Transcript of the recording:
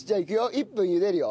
１分ゆでるよ。